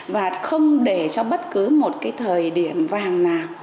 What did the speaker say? và không để cho bất cứ một cái thời điểm vàng nào